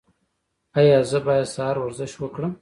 ایا زه باید سهار ورزش وکړم؟